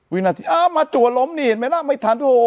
วินาทีอ้ามาจัวลมนี่เห็นไหมน่ะไม่ทันโหนี่โหโหโหโหโหโห